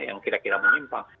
yang kira kira menyimpang